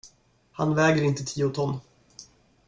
Han väger inte tio ton.